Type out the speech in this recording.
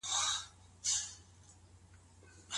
ولي ځيني فقهاء وايي چي طلاق په اصل کي منع دی؟